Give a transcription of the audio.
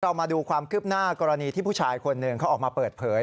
มาดูความคืบหน้ากรณีที่ผู้ชายคนหนึ่งเขาออกมาเปิดเผย